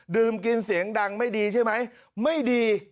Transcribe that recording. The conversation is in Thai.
ดื่มกินเสียงดังไม่ดีใช่ไหมไม่ดี